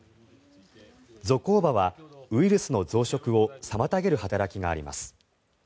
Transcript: ゾコーバはウイルスの増殖を妨げる働きがあります。